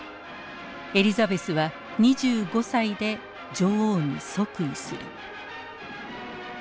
エリザベスは２５歳で女王に即位する。